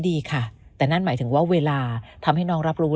พี่ชายของน้องก็จริงใจและจริงจังนะ